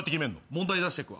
問題出してくわ。